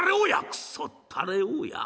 「くそったれ大家？